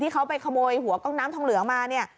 เขาไปขโมยหัวกล้องน้ำทองเหลืองมาเนี่ย